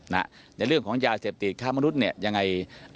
ในเรื่องของยาเสพติดค้ามนุษย์เนี่ยยังไง